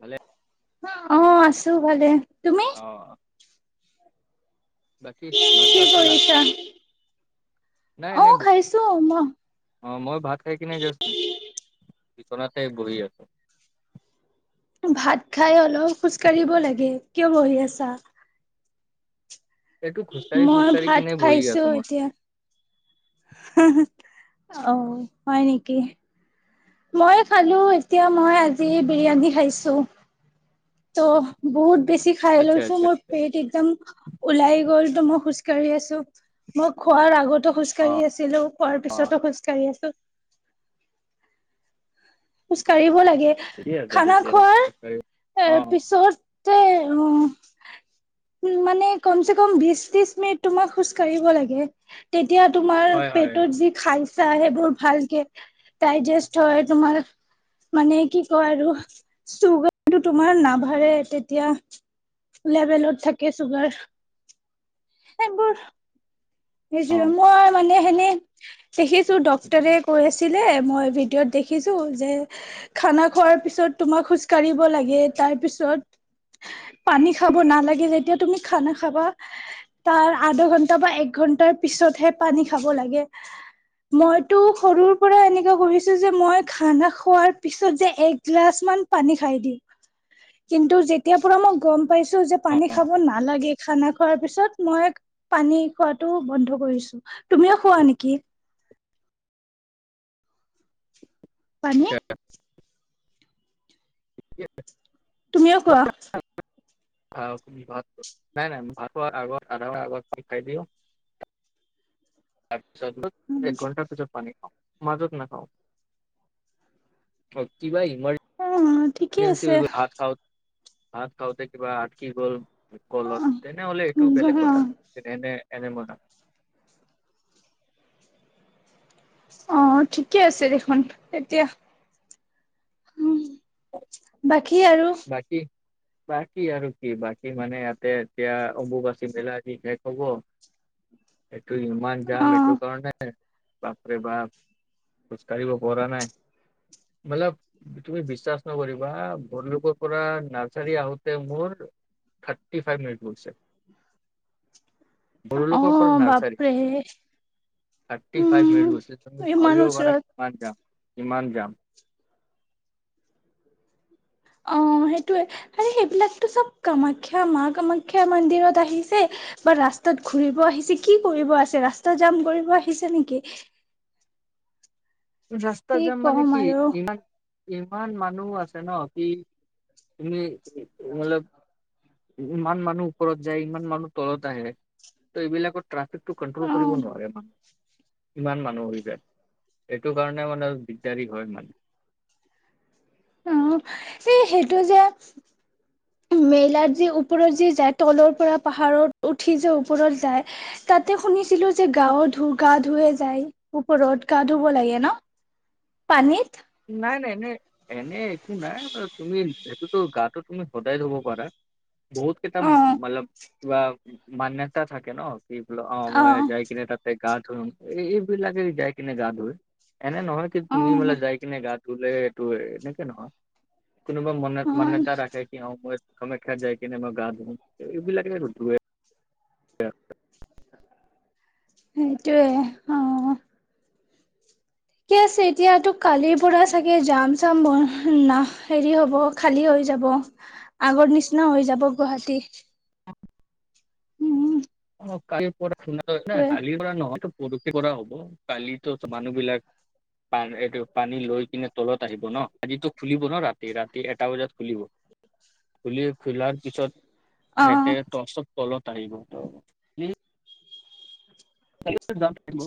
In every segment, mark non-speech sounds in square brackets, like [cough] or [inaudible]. ভালে [unintelligible] অ', আছো ভালে, তুম অ', অ'। বাকি কি ভাত চাত খালা, কৰিছা? নাই এনে অ', ব খাইছো মই। অ' মই ভাত খাই কিনে জাষ্ট বিচনাতে বহি আছোঁ। ভাত খাই অলপ খোজ কাঢ়িব লাগে, কিয় বহি আছা? এইটো খোজকাঢ়ি মই খোজকাঢ়ি ভাত কিনে বহি খাইছো আছোঁ মই। এতিয়া, অ' হয় নেকি? মইও খালোঁ, এতিয়া মই আজি বিৰিয়ানী খাইছোঁ। ত' বহুত বেছি খাই আচ্ছা লৈছোঁ আচ্ছা মোৰ পেট একদম ওলাই গ'ল ত' মই খোজ কাঢ়ি আছোঁ, মই খোৱাৰ আগত অ খোজকাঢ়ি আছিলোঁ, খোৱাৰ অ পিছতো খোজ কাঢ়ি আছোঁ। খোজ কাঢ়িব লাগে। ঠিকে আছে খানা ঠিকে আছে খোৱাৰ খোজকাঢ়ি এ, অ পিছতে অ'। উম, মানে কমচে কম বিছ ত্ৰিছ মিনিট তোমাক খোজ কাঢ়িব লাগে। তেতিয়া তোমাৰ হয় হয় পেটত যি খাই যায় সেইবোৰ ভালকে ডাইজেষ্ট হয় তোমাৰ মানে কি কয় আৰু চুগাৰটো তোমাৰ নাবাঢ়ে তেতিয়া। লেভেলত থাকে চুগাৰ এইবোৰ অ সেই মই মানে সেনে দেখিছোঁ ডক্টৰে কৈ আছ ছিলে মই ভিডিঅ'ত দেখিছোঁ যে খানা খোৱাৰ পিছত তোমাক খোজ কাঢ়িব লাগে তাৰপিছত পানী খাব নালাগে, যেতিয়া তুমি খানা খাবা তাৰ আধা ঘন্টা বা এক ঘন্টাৰ পিছতহে পানী খাব লাগে। মইতো সৰুৰ পৰা এনেকুৱা কৰিছোঁ যে মই খানা খোৱাৰ পিছত যে এক গিলাচ মান পানী খাই দিম। কিন্তু যেতিয়াৰ পৰা মই গম পাইছোঁ যে অ পানী খাব নালাগে খানা খোৱাৰ পিছত, মই পানী খোৱাটো বন্ধ কৰিছোঁ। তুমিও খোৱা নেকি? পানী? [unintelligible] তুমিও খোৱা? খাওঁ, ভাত, নাই নাই ভাত খোৱাৰ আগত আধা ঘন্টা আগত খাই দিওঁ তাৰপিছত মই এক ঘণ্টা পিছত পানী খাওঁ। মাজত নাখাওঁ। কিবা ইমাৰ অ' ঠিক [unintelligible] ভাত খাওঁ, ভাত খাওঁতে কিবা আটকি গ'ল গলত তেনেহ'লে এইটো বেলেগ কথা, অ' তেনে, এনে এনে মৰা অ' ঠিকে আছে দেখোন এতিয়া। [inaudible] বাকী আৰু? বাকী বাকী আৰু কি, বাকী মানে ইয়াতে এতিয়া অম্বুবাচী মেলা আজি শেষ হ'ব। এইটো ইমান জাম এইটো অ' কাৰণে। বাপৰে বাপ, খোজ কাঢ়িব পৰা নাই। মতলব তুমি বিশ্বাস নকৰিবা গল্লুকৰ পৰা নাৰ্চাৰী আহোঁতে মোৰ থাৰ্টি ফাইভ মিনিট গৈছে। গৰুলুকৰ পৰা অ' নাৰ্চাৰী। বাপৰে থাৰ্টি ফাইভ মিনিট উম গৈছে। তুমি ইমান ভাবিব পাৰা ওচৰত কিমান জাম, ইমান জাম। অ' হেইটোয়ে। আৰু সেইবিলাকতো চব কামাখ্যা, মা কামাখ্যা মন্দিৰত আহিছে বা ৰাস্তাত ঘুৰিব আহিছে, কি কৰিব আছে ৰাস্তা জাম কৰিব আহিছে নেকি? ৰাস্তা কি যাম মানে কম কি? আৰু ইমান ইমান মানুহ আছে ন' সি [unintelligible] ই ইমান মানুহ ওপৰত যায়, ইমান মানুহ তলত আহে ত' এইবিলাকত ট্ৰাফিকটো কণ্ট্ৰল' অ কৰিব নোৱাৰে মানে, ইমান‌মানুহ হৈ যায়। এইটো কাৰণে মানে দিগদাৰি হয়, মানে অঁ, এই সেইটো যে মেলাত যে ওপৰত যে যায়, তলৰ পৰা পাহাৰত উঠি যে ওপৰত যায় তাতে শুনিছিলোঁ যে গাৱ ধো গা ধোৱে যায় ওপৰত, গা ধোব লাগে ন? পানীত নাই, নাই এনেই এনেই একো নাই বাৰু, তুমি সেটোতো গাটো তুমি সদায় ধোব পাৰা। বহুত কেইটা অ মললব কিবা মান্যতা থাকে ন' কি বোলঝ অঁ অ মই যাই কিনে তাত এই গা ধোম, এইবিলাকে যাই কিনে গা ধোৱে এনে নহয় কি অ তুমি বোলে যাই কিনে গা ধোলে এটো এনেকে নহয়, কোনোবা মনত মান্নত অ মান্যতা ৰাখে সেই সময়ত কামাখ্যাত যাই কিনে মই গা ধোঁ এইবিলাকে ধোৱে য়া [unintelligible] সেইটোৱে, অঁ। কি আছে এতিয়াতো কালিৰ পৰা চাগে যাম চাম ব নাহ হেৰি হ'ব খালী হৈ যাব, আগৰ নিচিনা হৈ যাব গুৱাহাটী। উম। অঁ কালি পৰা [unintelligible] না, সেইটোৱে কালিৰ পৰা নহ পৰসি পৰা হ'ব, কালিতো মানুহ বিলাক পান এইটো পানী লৈ কিনে তলত আহিব ন', আজিতো খুলিব ন' ৰাতি, ৰাতি এটা বজাত খুলিব। খুলি খোলাৰ পিছত অ এহেঁতে টচত তলত আহিব। কালিটো জাম থাকিব,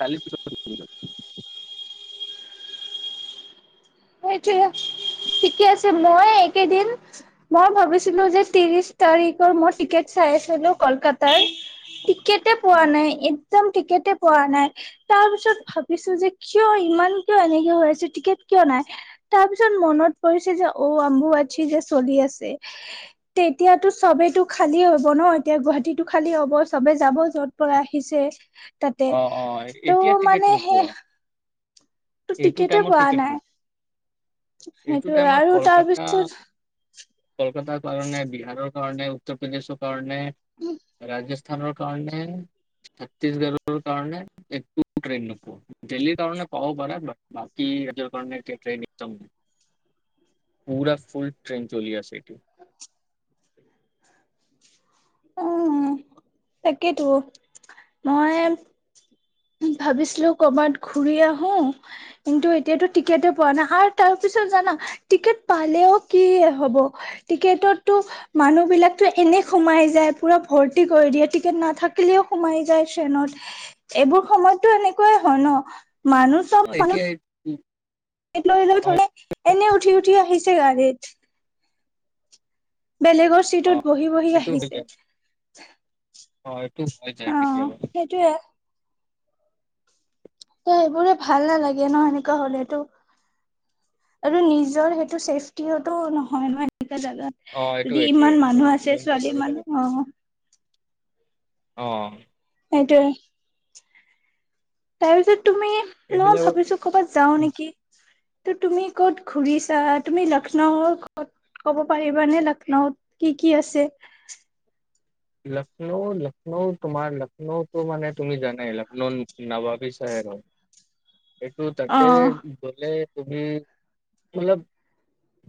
কালিৰ পিছত [inaudible] যাম সেইটোয়ে, ঠিকে আছে মই এইকেইদিন মই ভাবিছিলোঁ যে ত্ৰিশ তাৰিখৰ মই টিকেট চাই আছিলোঁ কলকাতাৰ টিকেটে অ পোৱা নাই, একদম টিকেটে পোৱা নাই। তাৰপিছত ভাবিছোঁ যে কিয় ইমান কিয় এনেকে হৈ আছে, টিকেট কিয় নাই? তাৰ পিছত মনত পৰিছে যে অ' অম্বুবাচী এতিয়া চলি আছে। তেতিয়াতো চ'বেটো খালী হ'ব ন' এতিয়া গুৱাহাটীটো খালী হ'ব চবে যাব য'ত ৰ পৰা আহিছে তাতে, অ অ এতিয়া ত' টিকেট মানে সেই নোপোৱা এইটো টিকেটে টাইমত পোৱা টিকেট নাই বুক এইটো সেইটোয়ে টাইমত আৰু কলকাতা তাৰপিছত কলকাতাৰ কাৰণে, বিহাৰৰ কাৰণে, উত্তৰ প্ৰদেশৰ কাৰণে, ৰাজ স্থানৰ কাৰণে, ছত্তিশগড়ৰ কাৰণে। একো ট্ৰেইন নোপোৱা। দেল্লীৰ কাৰণে পাব পৰা, বাক বাকী ৰাজ্যৰ কাৰণে এতিয়া ট্ৰেইন একদম [inaudible] পোৰা ফুল ট্ৰেইন চলি আছে এইটো। [inaudible] অ'ও তাকেইতো মই ভাবিছিলো কৰ'বাত ঘূৰি আহোঁ। কিন্তু এতিয়াতো টিকেতে পোৱা নাই, আৰু তাৰ পিছত জানা? টিকেট পালেও কি হ'ব? টিকেটতটো মানুহ বিলাকতো এনে সোমাই যায় পূৰা ভৰ্তি কৰি দিয়ে, টিকেট নাথাকিলেও সোমাই যায় শ্ৰেনত। এইবোৰ সময়তটো এনেকুৱাই হয় ন। মানুহ চব অ' মানুহ এতিয়াই [unintelligible] লৈ লৈ থলে এনে উঠি উঠি আহিছে গাড়ীত। বেলেগৰ চিটত বহি বহি এইটো হৈ যায় আহিছে। অ' এইটো হৈ যায় কেতিয়াবা। এইটোৱে। ত' সেইবোৰে ভাল নালাগে ন, সেনেকুৱা হ'লেতো। আৰু নিজৰ সেইটো চেফটিয়োটো নহয় ন, এনেকুৱা অ জেগাত। এইটো যদি এইটোৱে ইমান মানুহ আছে মেইন ছোৱালী কথাবিলাক মানুহ। অ'! অ'। সেইটোৱে। তাৰ পিছত তুমি মই এইবিলাক ভাবিছো ক'ৰবাত যাওঁ নেকি। ত' তুমি ক'ত ঘূৰিছা, তুমি লক্ষ্ণৌৰ ক'ত ক'ব পাৰিবানে লক্ষ্ণৌত কি কি আছে? লক্ষ্ণৌ লক্ষ্ণৌ তোমাৰ লক্ষ্ণৌটো মানে তুমি জানাই লক্ষ্ণৌ নবাবী চেহেৰ হয়। [inaudible] এইটো অ তাতে গ'লে তুমি অলপ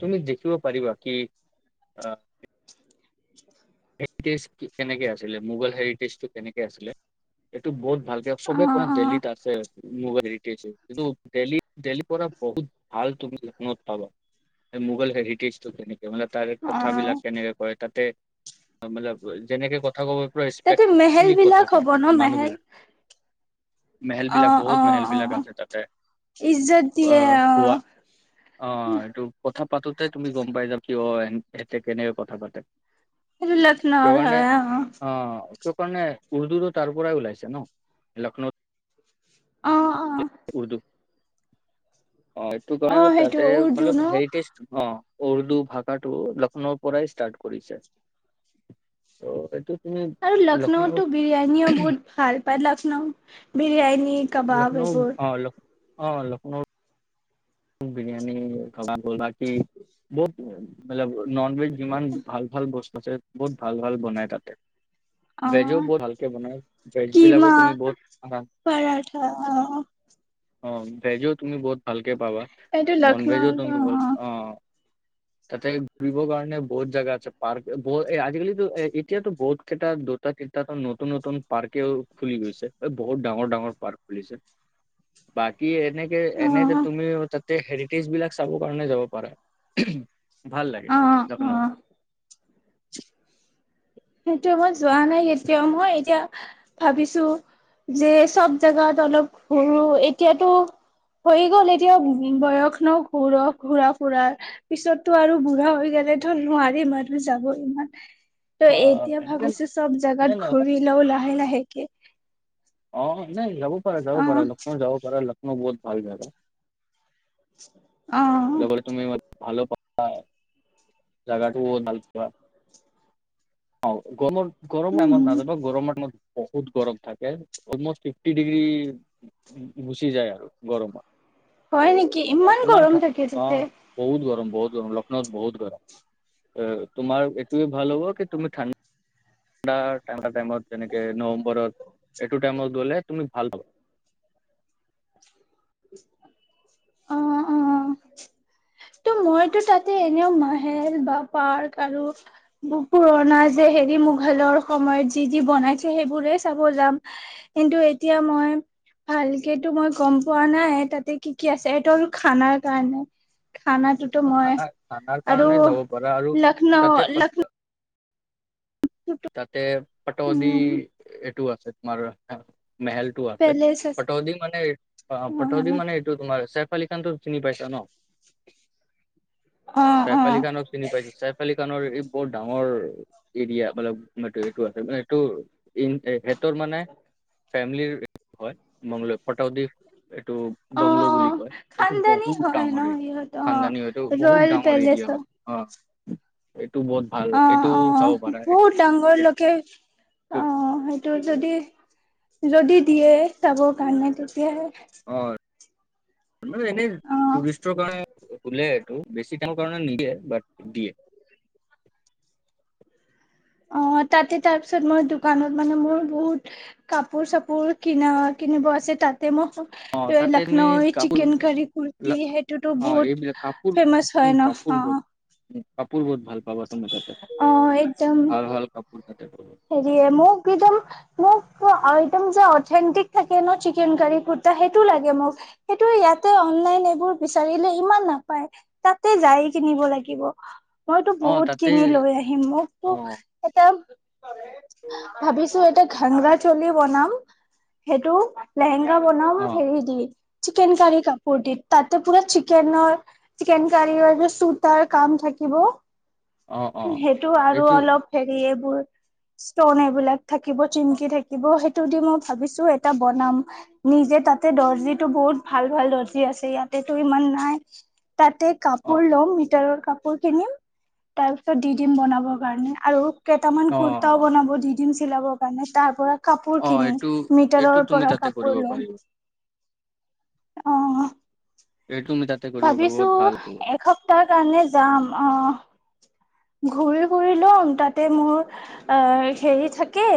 তুমি দেখিব পাৰিবা। কি আ' হেৰিটেজ কেনেকে আছিলে মোগল হেৰিটেজটো কেনেকে আছিলে এইটো বহুত ভালকে চবে অ কয় ন অ দেল্লীত আছে। মোগল হেৰিটেজটো কিন্তু দেল্লী দেল্লীৰ পৰা বহুত ভাল তুমি লক্ষ্ণৌত পাবা। মোগল হেৰিটেজটো কেনেকে মানে তাৰে অ', কথাবিলাক কেনেকে কয় তাতে। [unintelligible] যেনেকে কথা ক'ব পুৰা তাতে ৰিছপেক্ট মেহেল ফুলি কথা বিলাক কয় হ'ব ন মেহেল? মানুহবিলাক। মেহেল বিলাক অ', বহুত অ', মেহেল বিলাক অ', আছে তাতে। ইজ্জত আ দিয়ে খোৱা অ', অ' এইটো কথা পাতোতে তুমি গম পাই যাবা, কিয় ইহঁতে কেনেকে কথা পাতে। [unintelligible] সেইটো কাৰণে অ' সেইটোৰ কাৰণে উৰ্দুটো তাৰ পৰাই ওলাইছে ন লক্ষ্ণৌত। অ', অ', উৰ্দু। অ' এইটো অ', কাৰণে সেইটো তাতে উৰ্দু মতলব ন? হেৰিটেজ অ'। উৰ্দু ভাষাটো লক্ষ্ণৌৰ পৰাই ষ্টাৰ্ট কৰিছে ত' এইটো তুমি আৰু লক্ষ্ণৌ লক্ষ্ণৌতো বিৰিয়ানীও বহুত ভাল পায়, লক্ষ্ণৌ বিৰিয়ানী। কাবাব লক্ষ্ণৌ এইবোৰ অ' ল' অ' লক্ষ্ণৌ। Biryani [unintelligible] non veg. কিমান ভাল ভাল বস্তু আছে, বহুত ভাল ভাল বনায় তাতে। ভেজো অ', বহুত ভালকে বনাই, ভেজ বিলাকো কিমা তুমি বহুত [unintelligible] পৰাঠা অ', অ' ভেজো তুমি বহুত ভালকে পাবা এইটো ন'ন ভেজো লক্ষ্ণৌৰ তুমি অ' তাতে ঘূৰিবৰ কাৰণে বহুত জাগা আছে, পাৰ্ক ব আজিকালিতো এ এতিয়াতো বহুত কেইটা তিতাতো নতুন নতুন পাৰ্কেও খুলি গৈছে, বহুত ডাঙৰ ডাঙৰ পাৰ্ক খুলিছে। বাকী, এনেকে এনে অ', তুমি তাতে হেৰিটেজ বিলাক চাব কাৰণে যাব পাৰা। ভাল লাগে অ', লক্ষ্ণৌ। অ'। সেইটো মই যোৱা নাই কেতিয়াও, মই এতিয়া ভাবিছো যে চব জেগাত অলপ ফুৰোঁ, এতিয়াতো হৈ গ'ল এতিয়া বয়স ন ঘুৰ ঘূৰা-ফুৰাৰ। পিছতটো আৰু বুঢ়া হৈ গলে ধৰ নোৱাৰিম আৰু যাব ইমান। ত' অ এতিয়া এনেকে ন ভাবিছো, ছব এনে জোগাত নহয় ঘূৰি লও লাহে, লাহেকে। অ', নাই, যাব পাৰা, যাব অ পাৰা, লক্ষ্ণৌ যাব পাৰা, লক্ষ্ণৌ বহুত ভাল জাগা। অ'। [unintelligible] জাগাটো বহুত ভাল পোৱা। অ', গৰমৰ, গৰমৰ টাইমত উম নাযাবা, গৰমত বহুত গৰম থাকে, অলমষ্ট ফিফটি ডিগ্ৰী। গুচি যায় আৰু গৰমত, হয় নেকি ত' ইমান অকমান গৰম ঠা থাকে তাতে অ'। বহুত গৰম, বহুত গৰম, লক্ষ্ণৌত বহুত গৰম, তোমাৰ এইটোৱে ভাল হ'ব কি, তুমি ঠাণ্ডা ঠাণ্ডাৰ, ঠাণ্ডা টাইমত যেনেকে, নৱেম্বৰৰত এইটো টাইমত গ'লে তুমি ভাল পাবা। অ', অ'। ত' মইতো তাতে, এনেও মাহেল বা পাৰ্ক আৰু পুৰণা যে, হেৰি মোগলৰ সময়ত যি, যি, বনাইছে সেইবোৰে চাব যাম। কিন্তু, এতিয়া মই ভালকেটো মই গম পোৱা নাই, তাতে কি কি আছে, এইটো আৰু খানাৰ কাৰণে। খানাটোতো পাবা মই, খানা খানাৰ আৰু কাৰণে যাব পাৰা আৰু লক্ষ্ণৌ, তাতে লক্ষ পাত [inaudible] তাতে পতৌদি, উম এইটো আছে তোমাৰ মেহেল। টো আছে, পেলেচ আছে পাতৌদি মানে অ', পতৌদি মানে এইটো তোমাৰ ছেল্ফ চেইফ আলি খানটো চিনি পাইছা ন, অ অ ছেইফ আলি খানক চিনি পাইছা, চেইফ আলী খানৰ এই বৰ ডাঙৰ এৰিয়া মানে, আছে এইটো আছে মানে এইটো এখেতৰ মানে ফেমেলিৰ হয়, [unintelligible] এইটো। অ বাংলো অ বুলি কয়, এইটো খানদানী বহুত হয় ন ডাঙৰ এৰিয়া, সিহঁত অ খান্দানী হয়টো বহুত ৰয়েল ডাঙৰ পেলেচ এৰিয়া হয়। অ', এইটো বহুত ভাল, এইটো অ চাব পাৰা, এই বহুত ডাঙৰলৈকে অ', সেইটো যদি যদি দিয়ে চাবৰ কাৰণে, তেতিয়াহে। অ', মানে এনে অ টুৰিষ্টৰ কাৰণে খোলে এইটো, বেছি টাইমৰ কাৰণে নিদিয়ে, বাত দিয়ে। অ', তাতে তাৰপিছত মই দোকানত মানে, মোৰ বহুত কাপোৰ-চাপোৰ কিনা, কিনিব আছে, তাতে অ মই তাতে তুমি লক্ষ্ণৌ, কাপোৰ চিকেন কাৰি, কুৰ্তি সেইটোতো অ বহুত এইবিলাক কাপোৰ ফেমাচ হয় উম ন। অ কাপোৰ বোৰ, কাপোৰ বহুত ভাল পাবা তুমি তাতে, অ একদম ভাল, ভাল কাপোৰ তাতে পাবা। হেৰিয়ে মোক একদম মোক আইটম যে, অথেন্টিক থাকে ন, চিকেন কাৰী কুুৰ্তা সেইটো লাগে মোক। সেইটো ইয়াতে, অনলাইন এইবোৰ বিচাৰিলে ইমান নাপায়। তাতে যায় কিনিব লাগিব। মইতো অ বহুত তাতে কিনি লৈ আহিম, মোকতো অ এটা ভাবিছো এটা ঘাংৰা চলি বনাম, সেইটো লেহেংগা বনাম অ হেৰি দি, চিকেন কাৰি কাপোৰ দি, তাতে পুৰা চিকেনৰ চিকেন কাৰী যে চুতাৰ কাম থাকিব। অ অ সেইটো আৰু এইটো অলপ হেৰি এইবোৰ ষ্টন, এইবিলাক থাকিব, অ চিমকি থাকিব, সেইটো দি মই ভাবিছো এটা বনাম। নিজে তাতে দৰ্জিটো বহুত ভাল, ভাল দৰ্জি আছে, ইয়াতেটো ইমান নাই। তাতে অ কাপোৰ লম, মিটাৰৰ কাপোৰ কিনিম তাৰ পিছত দি দিম বনাব কাৰণে আৰু কেইটামান অ কুৰ্তাও বনাব দি দিম চিলাবৰ কাৰণে তাৰ পৰা- কাপোৰ অ কিনি এইটো এইটো মিটাৰৰ তুমি পৰা তাতে কৰিব কাপোৰ লম, পাৰিবা অঁ'। এইটো তুমি তাতে কৰিব পাৰিবা ভাবিছোঁ বহুত ভাল এইটো এসপ্তাহ কাৰণে যাম, অঁ'। ঘূৰি ফুৰি লম তাতে মোৰ অ' হেৰি থাকে-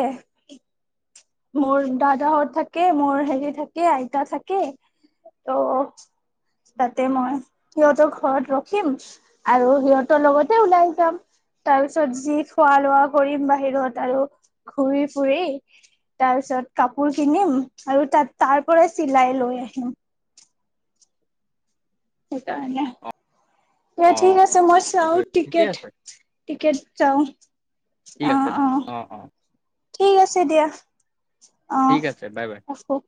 মোৰ দাদাহঁত থাকে, মোৰ হেৰি থাকে আইতা থাকে ত'- তাতে মই সিহঁতৰ ঘৰত ৰখিম। আৰু সিহঁতৰ লগতে ওলাই যাম। তাৰ পিছত যি খোৱা লোৱা কৰিম বাহিৰত আৰু ঘূৰি ফুৰি। তাৰ পিছত কাপোৰ কিনিম আৰু তাত তাৰ পৰা চিলাই লৈ আহিম। সেইকাৰণে, অ দিয়া অ ঠিক আছে মই চাওঁ ঠিকে টিকেট। আছে টিকেট চাওঁ, ঠিক আছে অহ'-অহ' অ অ ঠিক আছে দিয়া। ঠিক অঁ' আছে বাই বাই ৰাখোঁ।